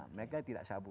mereka tidak sabu